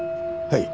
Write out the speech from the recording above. はい。